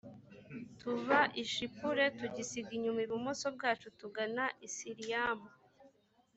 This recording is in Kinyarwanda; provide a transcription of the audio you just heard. tuva i shipure tugisiga inyuma ibumoso bwacu tugana i siriyamu